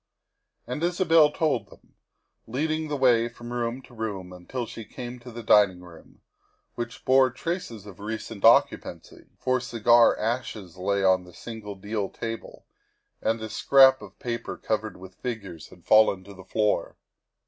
And Isabel told them, leading the way from room to room, until she came to the dining room, which bore traces of recent occupancy, for cigar ashes lay on the single deal table and a scrap of paper covered with fig ures had fallen to the floor.